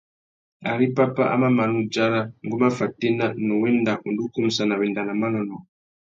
Ari pápá a mà mana udzara, ngu má fatēna, nnú wenda undú kumsana wenda nà manônōh.